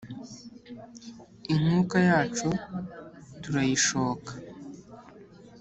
inkuka yacu turayishoka